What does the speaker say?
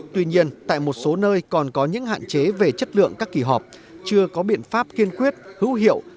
tuy nhiên tại một số nơi còn có những hạn chế về chất lượng các kỳ họp chưa có biện pháp kiên quyết hữu hiệu